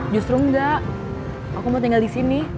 justru enggak aku mau tinggal di sini